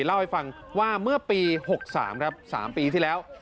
เล่าให้ฟังว่าเมื่อปี๖๓ครับ๓ปีที่แล้ว